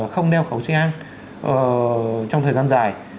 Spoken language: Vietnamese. không đeo khẩu trang trong thời gian dài